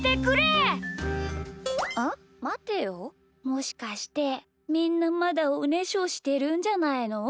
もしかしてみんなまだおねしょしてるんじゃないの？